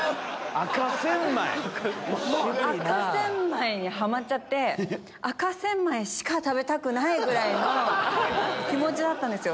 赤センマイにハマっちゃって赤センマイしか食べたくない！ぐらいの気持ちだったんですよ。